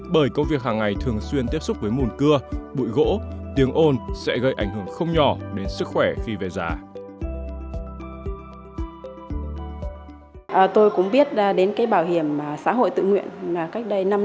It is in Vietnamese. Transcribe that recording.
bởi công việc hàng ngày thường xuyên tiếp xúc với mùn cưa bụi gỗ tiếng ồn sẽ gây ảnh hưởng không nhỏ đến sức khỏe khi về giá